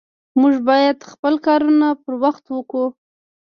مونږ بايد خپل کارونه پر وخت وکړو